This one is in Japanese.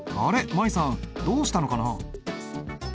舞悠さんどうしたのかな？